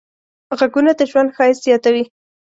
غږونه د ژوند ښایست زیاتوي.